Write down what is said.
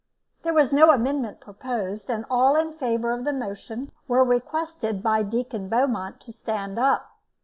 There was no amendment proposed, and all in favour of the motion were requested by Deacon Beaumont to stand up.